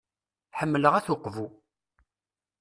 Ḥemmleɣ At Uqbu.